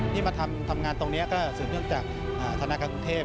ที่มาทำงานตรงนี้ก็สื่อมิจิตรจากธนกรรมกรุงเทพฯ